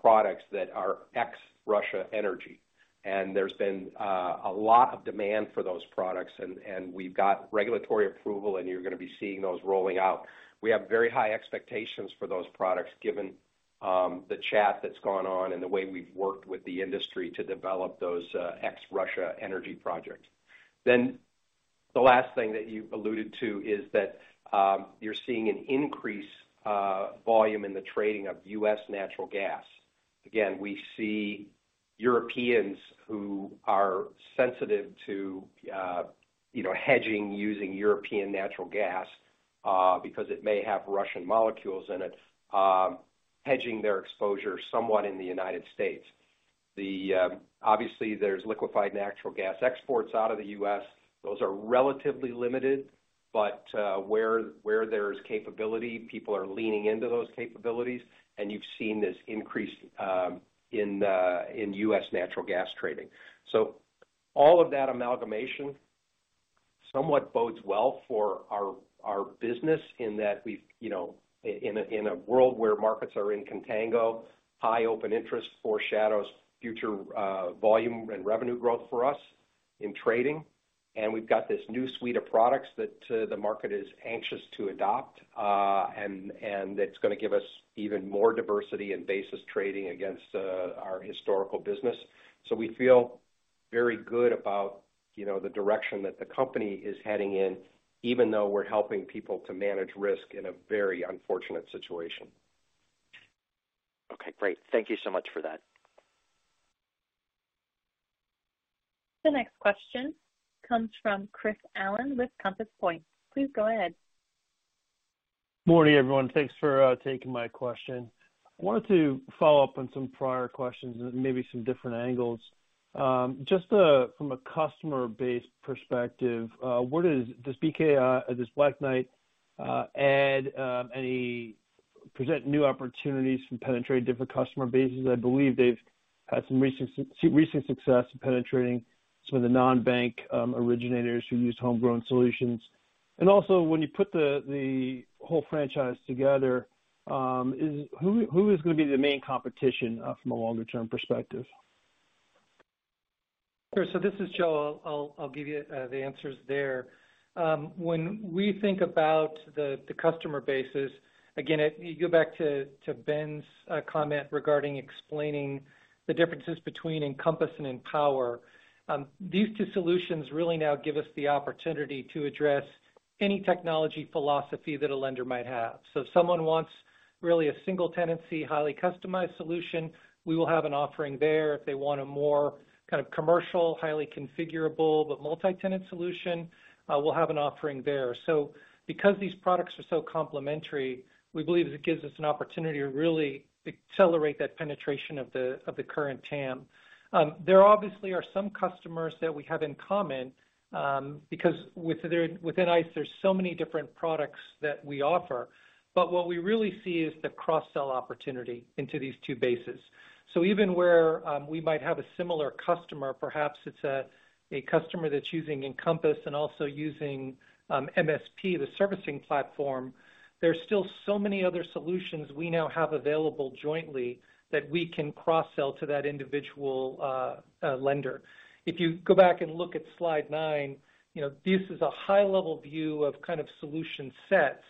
products that are ex-Russia energy. There's been a lot of demand for those products and we've got regulatory approval, and you're gonna be seeing those rolling out. We have very high expectations for those products, given the chat that's gone on and the way we've worked with the industry to develop those ex-Russia energy projects. The last thing that you alluded to is that you're seeing an increasing volume in the trading of U.S. natural gas. Again, we see Europeans who are sensitive to, you know, hedging using European natural gas because it may have Russian molecules in it hedging their exposure somewhat in the United States. Obviously, there's liquefied natural gas exports out of the U.S. Those are relatively limited, but where there's capability, people are leaning into those capabilities, and you've seen this increase in U.S. natural gas trading. All of that amalgamation somewhat bodes well for our- Our business in that we've, you know, in a world where markets are in contango, high open interest foreshadows future volume and revenue growth for us in trading. We've got this new suite of products that the market is anxious to adopt. It's gonna give us even more diversity and basis trading against our historical business. We feel very good about, you know, the direction that the company is heading in, even though we're helping people to manage risk in a very unfortunate situation. Okay, great. Thank you so much for that. The next question comes from Chris Allen with Compass Point. Please go ahead. Morning, everyone. Thanks for taking my question. I wanted to follow up on some prior questions and maybe some different angles. Just from a customer base perspective, does Black Knight add any present new opportunities to penetrate different customer bases? I believe they've had some recent success in penetrating some of the non-bank originators who use homegrown solutions. Also, when you put the whole franchise together, who is gonna be the main competition from a longer-term perspective? Sure. This is Joe. I'll give you the answers there. When we think about the customer bases, again, if you go back to Ben's comment regarding explaining the differences between Encompass and Empower, these two solutions really now give us the opportunity to address any technology philosophy that a lender might have. If someone wants really a single tenancy, highly customized solution, we will have an offering there. If they want a more kind of commercial, highly configurable but multi-tenant solution, we'll have an offering there. Because these products are so complementary, we believe it gives us an opportunity to really accelerate that penetration of the current TAM. There obviously are some customers that we have in common, because within ICE, there's so many different products that we offer. What we really see is the cross-sell opportunity into these two bases. Even where we might have a similar customer, perhaps it's a customer that's using Encompass and also using MSP, the servicing platform, there's still so many other solutions we now have available jointly that we can cross-sell to that individual lender. If you go back and look at slide nine, you know, this is a high-level view of kind of solution sets.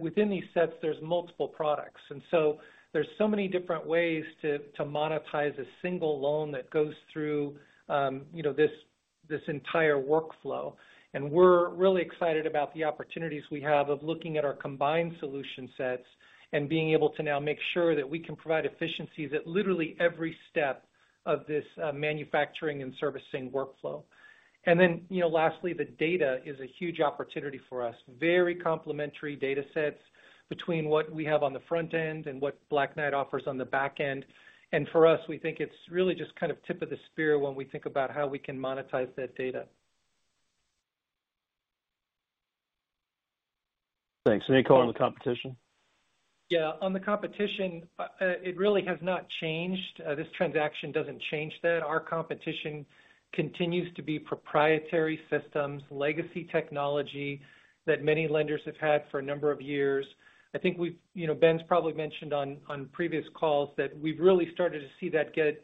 Within these sets, there's multiple products. There's so many different ways to monetize a single loan that goes through, you know, this entire workflow. We're really excited about the opportunities we have of looking at our combined solution sets and being able to now make sure that we can provide efficiencies at literally every step of this manufacturing and servicing workflow. Then, you know, lastly, the data is a huge opportunity for us. Very complementary data sets between what we have on the front end and what Black Knight offers on the back end. For us, we think it's really just kind of tip of the spear when we think about how we can monetize that data. Thanks. Any call on the competition? Yeah. On the competition, it really has not changed. This transaction doesn't change that. Our competition continues to be proprietary systems, legacy technology that many lenders have had for a number of years. I think we've you know, Ben's probably mentioned on previous calls that we've really started to see that get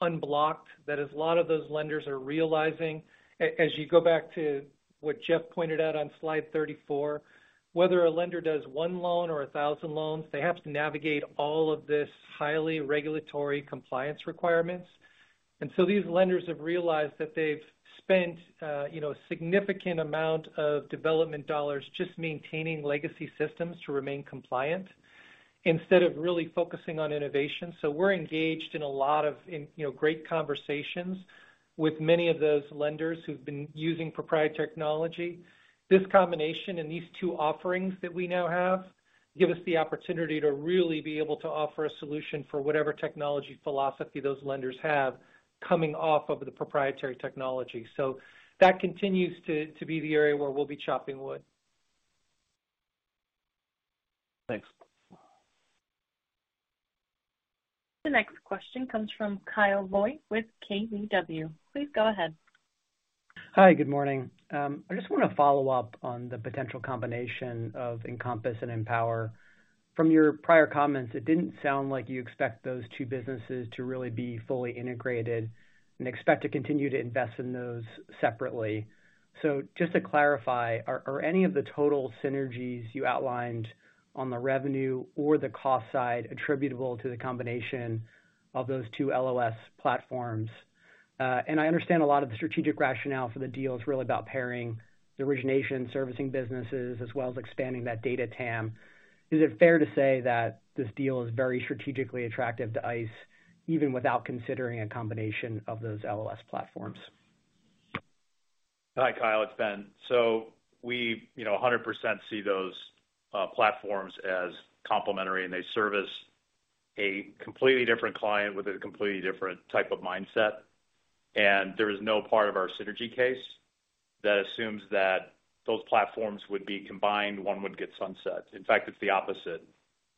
unblocked. That is, a lot of those lenders are realizing, as you go back to what Jeff pointed out on slide 34, whether a lender does one loan or 1,000 loans, they have to navigate all of this highly regulatory compliance requirements. These lenders have realized that they've spent you know, a significant amount of development dollars just maintaining legacy systems to remain compliant instead of really focusing on innovation. We're engaged in a lot of, you know, great conversations with many of those lenders who've been using proprietary technology. This combination and these two offerings that we now have give us the opportunity to really be able to offer a solution for whatever technology philosophy those lenders have coming off of the proprietary technology. That continues to be the area where we'll be chopping wood. Thanks. The next question comes from Kyle Voigt with KBW. Please go ahead. Hi, good morning. I just wanna follow up on the potential combination of Encompass and Empower. From your prior comments, it didn't sound like you expect those two businesses to really be fully integrated and expect to continue to invest in those separately. Just to clarify, are any of the total synergies you outlined on the revenue or the cost side attributable to the combination of those two LOS platforms? I understand a lot of the strategic rationale for the deal is really about pairing the origination servicing businesses as well as expanding that data TAM. Is it fair to say that this deal is very strategically attractive to ICE, even without considering a combination of those LOS platforms? Hi, Kyle. It's Ben. We, you know, 100% see those platforms as complementary, and they service a completely different client with a completely different type of mindset. There is no part of our synergy case that assumes that those platforms would be combined, one would get sunset. In fact, it's the opposite.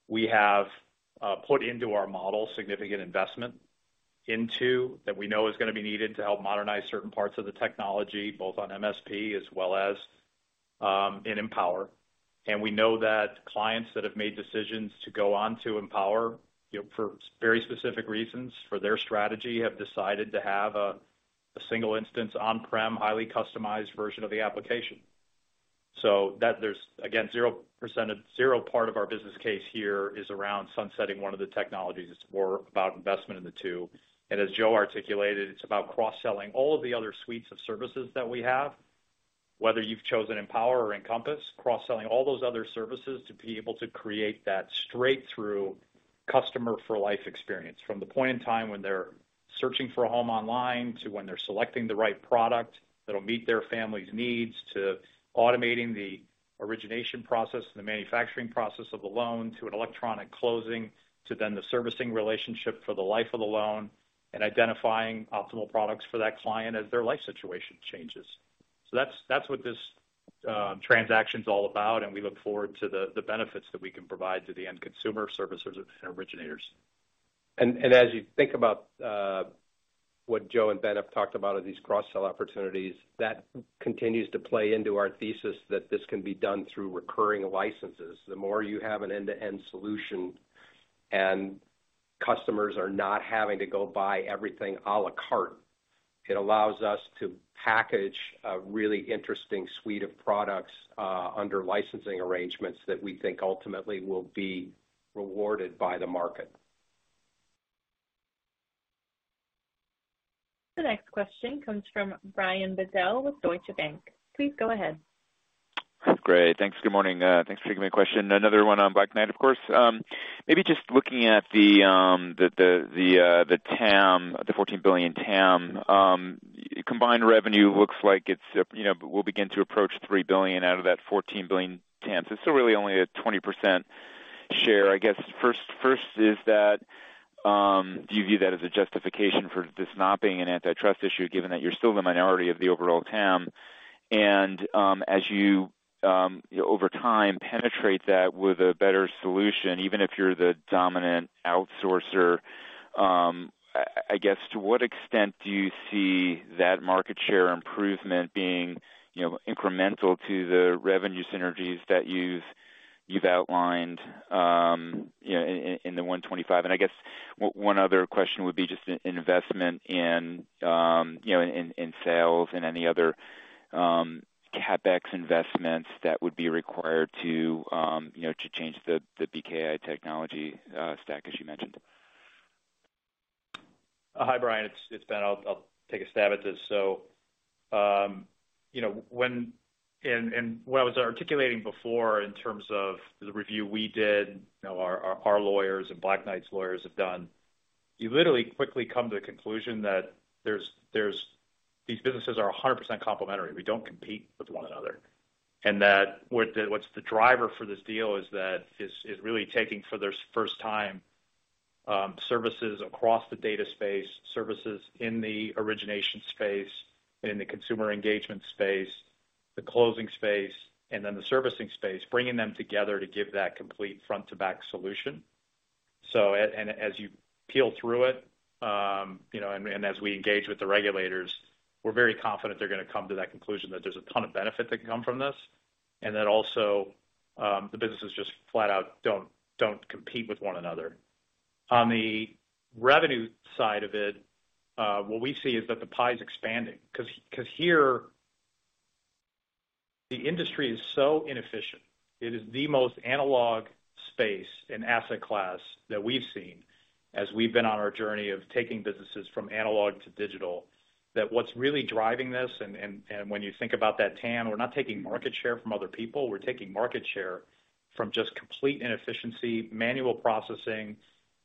We have put into our model significant investment Into that we know is gonna be needed to help modernize certain parts of the technology, both on MSP as well as in Empower. We know that clients that have made decisions to go on to Empower, you know, for very specific reasons for their strategy, have decided to have a single instance on-prem, highly customized version of the application. That there's again, zero part of our business case here is around sunsetting one of the technologies. It's more about investment in the two. As Joe articulated, it's about cross-selling all of the other suites of services that we have, whether you've chosen Empower or Encompass, cross-selling all those other services to be able to create that straight through customer for life experience from the point in time when they're searching for a home online, to when they're selecting the right product that'll meet their family's needs, to automating the origination process and the manufacturing process of the loan, to an electronic closing, to then the servicing relationship for the life of the loan and identifying optimal products for that client as their life situation changes. That's what this transaction's all about, and we look forward to the benefits that we can provide to the end consumer services and originators. As you think about what Joe and Ben have talked about are these cross-sell opportunities, that continues to play into our thesis that this can be done through recurring licenses. The more you have an end-to-end solution and customers are not having to go buy everything à la carte, it allows us to package a really interesting suite of products under licensing arrangements that we think ultimately will be rewarded by the market. The next question comes from Brian Bedell with Deutsche Bank. Please go ahead. Great, thanks. Good morning. Thanks for taking my question. Another one on Black Knight, of course. Maybe just looking at the TAM, the $14 billion TAM. Combined revenue looks like it will begin to approach $3 billion out of that $14 billion TAM. So it's still really only a 20% share. I guess first is that do you view that as a justification for this not being an antitrust issue, given that you're still the minority of the overall TAM? As you over time penetrate that with a better solution, even if you're the dominant outsourcer, I guess to what extent do you see that market share improvement being you know incremental to the revenue synergies that you've outlined you know in the $125? I guess one other question would be just investment in you know in sales and any other CapEx investments that would be required to you know to change the BKI technology stack as you mentioned? Hi, Brian. It's Ben. I'll take a stab at this. You know, what I was articulating before in terms of the review we did, you know, our lawyers and Black Knight's lawyers have done, you literally quickly come to the conclusion that there's these businesses are 100% complementary. We don't compete with one another. What the driver for this deal is really taking for the first time, services across the data space, services in the origination space and in the consumer engagement space, the closing space, and then the servicing space, bringing them together to give that complete front-to-back solution. As you peel through it, you know, as we engage with the regulators, we're very confident they're gonna come to that conclusion that there's a ton of benefit that can come from this. That also, the businesses just flat out don't compete with one another. On the revenue side of it, what we see is that the pie is expanding 'cause here the industry is so inefficient. It is the most analog space and asset class that we've seen as we've been on our journey of taking businesses from analog to digital. That's what's really driving this, and when you think about that TAM, we're not taking market share from other people. We're taking market share from just complete inefficiency, manual processing,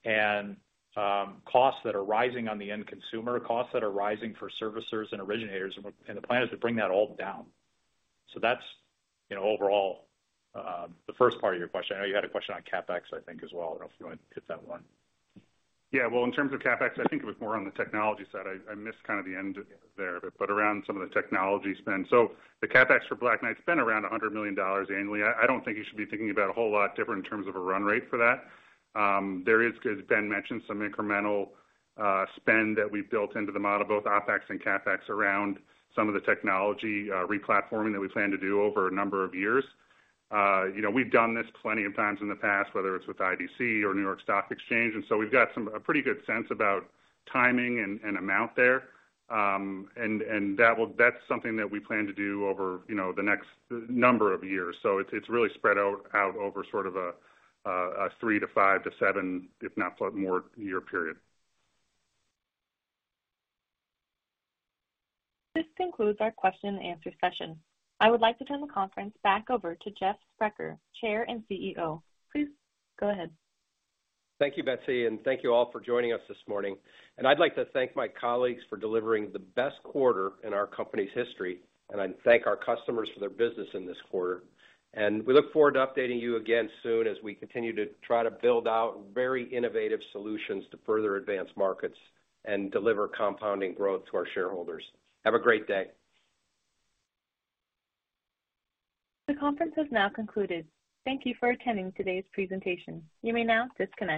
and costs that are rising on the end consumer, costs that are rising for servicers and originators. The plan is to bring that all down. That's, you know, overall, the first part of your question. I know you had a question on CapEx, I think as well. I don't know if you wanna hit that one. Yeah. Well, in terms of CapEx, I think it was more on the technology side. I missed kind of the end there, but around some of the technology spend. The CapEx for Black Knight's been around $100 million annually. I don't think you should be thinking about a whole lot different in terms of a run rate for that. There is, as Ben mentioned, some incremental spend that we've built into the model, both OpEx and CapEx around some of the technology replatforming that we plan to do over a number of years. You know, we've done this plenty of times in the past, whether it's with IDC or New York Stock Exchange, and so we've got a pretty good sense about timing and amount there. That's something that we plan to do over, you know, the next number of years. It's really spread out over sort of a three to five to seven, if not more, year period. This concludes our question and answer session. I would like to turn the conference back over to Jeff Sprecher, Chair and CEO. Please go ahead. Thank you, Betsy, and thank you all for joining us this morning. I'd like to thank my colleagues for delivering the best quarter in our company's history, and I thank our customers for their business in this quarter. We look forward to updating you again soon as we continue to try to build out very innovative solutions to further advance markets and deliver compounding growth to our shareholders. Have a great day. The conference has now concluded. Thank you for attending today's presentation. You may now disconnect.